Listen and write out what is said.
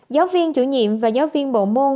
giáo viên chủ nhiệm và giáo viên bộ môn